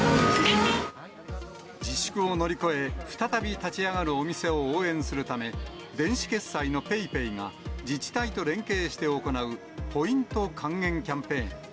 自粛を乗り越え、再び立ち上がるお店を応援するため、電子決済のＰａｙＰａｙが、自治体と連携して行う、ポイント還元キャンペーン。